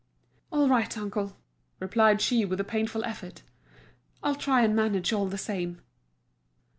"All right, uncle," replied she with a painful effort, "I'll try and manage all the same."